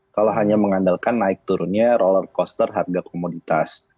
kalau hanya mengandalkan naik turunnya roller coaster harga komoditas